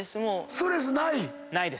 ストレスない？